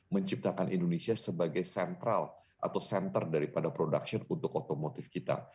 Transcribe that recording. menciptakan indonesia sebagai central atau center daripada production untuk otomotif kita